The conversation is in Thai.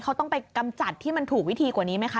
เขาต้องไปกำจัดที่มันถูกวิธีกว่านี้ไหมคะ